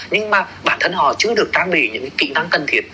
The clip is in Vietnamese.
nhưng mà bản thân họ chưa được trang bị những cái kỹ năng cần thiệt